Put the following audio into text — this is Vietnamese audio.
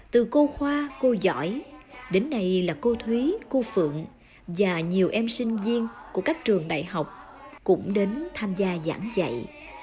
từ cô khoa cô giỏi đến nay là cô thúy cô phượng và nhiều em sinh viên của các trường đại học cũng đến tham gia giảng dạy